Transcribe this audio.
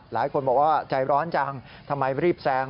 หลายคนบอกว่าใจร้อนจังทำไมรีบแซง